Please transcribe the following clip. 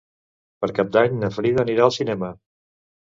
Per Cap d'Any na Frida anirà al cinema.